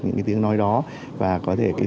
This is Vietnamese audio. những cái tiếng nói đó và có thể